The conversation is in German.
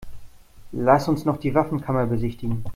Lass uns noch die Waffenkammer besichtigen.